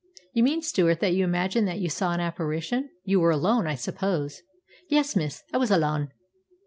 "You mean, Stewart, that you imagined that you saw an apparition. You were alone, I suppose?" "Yes, miss, I was alane."